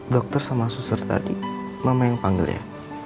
dokter sama suster tadi mama yang panggil ya